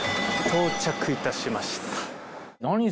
到着いたしました。